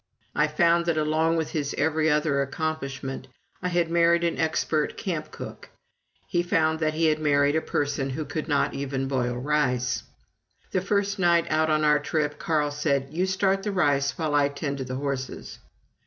I found that, along with his every other accomplishment, I had married an expert camp cook. He found that he had married a person who could not even boil rice. The first night out on our trip, Carl said, "You start the rice while I tend to the horses."